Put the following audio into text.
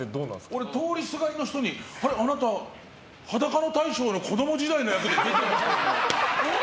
俺通りすがりの人に「あなた裸の大将の子供時代の役で出てました？」